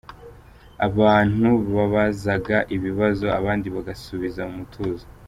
Abantu babazaga ibibazo abandi bagasubiza mu mutuzo.